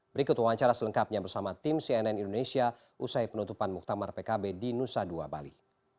berikut wawancara selengkapnya bersama tim cnn indonesia usai penutupan muktamar pkb di nusa dua bali